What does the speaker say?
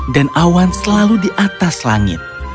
dan awan selalu di atas langit